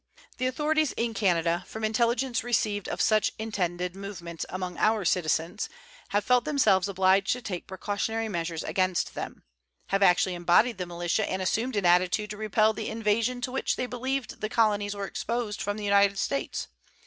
The authorities in Canada, from intelligence received of such intended movements among our citizens, have felt themselves obliged to take precautionary measures against them; have actually embodied the militia and assumed an attitude to repel the invasion to which they believed the colonies were exposed from the United States.